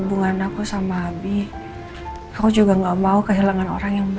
untuk semua orang yang telah menonton